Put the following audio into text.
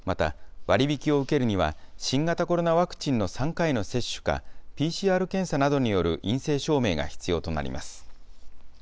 また割引を受けるには新型コロナワクチンの３回の接種か、ＰＣＲ検査などによる陰性証明が必要となります。